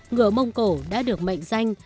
ngựa mông cổ đã được mệnh danh